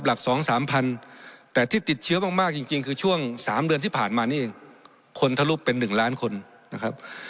หลัก๒๓๐๐แต่ที่ติดเชื้อมากจริงคือช่วง๓เดือนที่ผ่านมานี่คนทะลุเป็น๑ล้านคนนะครับ